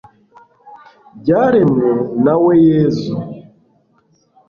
byaremwe nawe yezu